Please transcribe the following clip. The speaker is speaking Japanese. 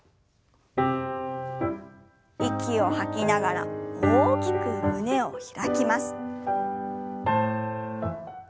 息を吐きながら大きく胸を開きます。